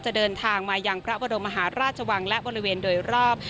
เดินทางมายังพระบรมมหาราชวังและบริเวณโดยรอบ